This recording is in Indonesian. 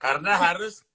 karena harus cikarang